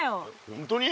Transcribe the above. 本当に？